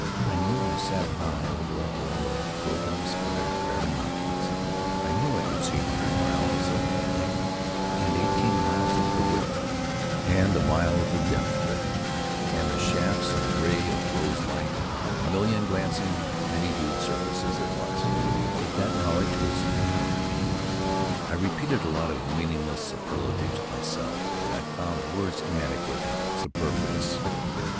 I knew I sat high over a hole of broken, splintered, barren mountains; I knew I could see a hundred miles of the length of it, and eighteen miles of the width of it, and a mile of the depth of it, and the shafts and rays of rose light on a million glancing, many hued surfaces at once; but that knowledge was no help to me. I repeated a lot of meaningless superlatives to myself, and I found words inadequate and superfluous.